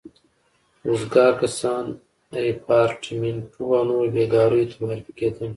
وزګار کسان ریپارټیمنټو او نورو بېګاریو ته معرفي کېدل.